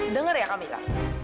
dengar ya kamila